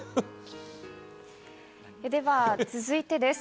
では続いてです。